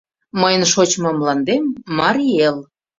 — Мыйын шочмо мландем — Марий Эл.